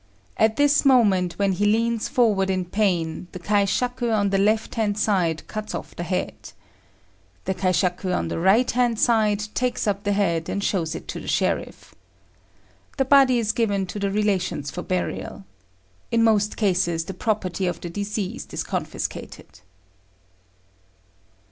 At this moment, when he leans forward in pain, the kaishaku on the left hand side cuts off the head. The kaishaku on the right hand side takes up the head, and shows it to the sheriff. The body is given to the relations for burial. In most cases the property of the deceased is confiscated.